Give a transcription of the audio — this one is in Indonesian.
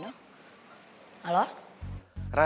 biar gak selisih paham hati